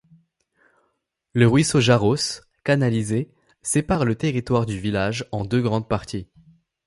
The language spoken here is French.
Le ruisseau Jaroš, canalisé, sépare le territoire du village en deux grandes parties.